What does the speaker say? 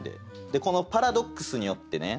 このパラドックスによってね